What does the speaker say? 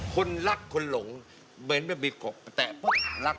คนรักคุณหลงเบนไม่มีกรกแต่ปุ๊บลาก